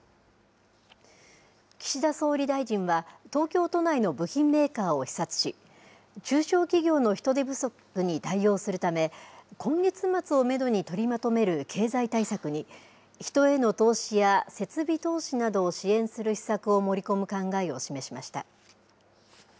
岸田総理大臣は東京都内の部品メーカーを視察し中小企業の人手不足に対応するため今月末をめどに取りまとめる経済対策に人への投資や設備投資などを支援する施策を盛り込む考えを示しました。